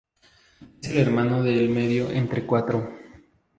Es el hermano del medio entre cuatro.